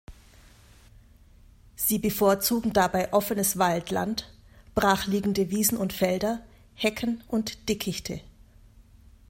Sie bevorzugen dabei offenes Waldland, brachliegende Wiesen und Felder, Hecken und Dickichte.